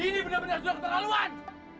ini benar benar sudah keterlaluan